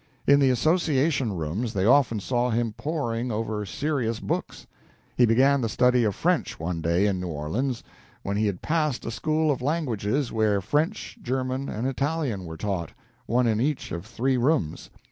In the association rooms they often saw him poring over serious books. He began the study of French one day in New Orleans, when he had passed a school of languages where French, German, and Italian were taught, one in each of three rooms.